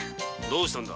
どうした？